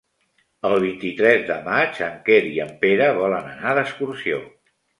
El vint-i-tres de maig en Quer i en Pere volen anar d'excursió.